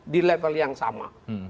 di level yang sama